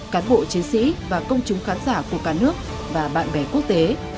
cán bộ chiến sĩ và công chúng khán giả của cả nước và bạn bè quốc tế